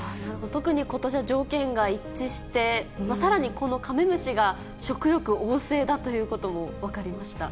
特にことしは条件が一致して、さらにこのカメムシが食欲旺盛だということも分かりました。